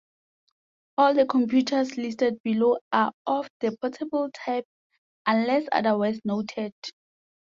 All of the computers listed below are of the portable type unless otherwise noted.